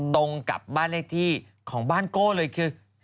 ตรงกับบ้านเลขที่ของบ้านโก้เลยคือ